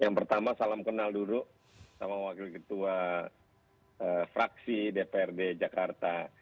yang pertama salam kenal dulu sama wakil ketua fraksi dprd jakarta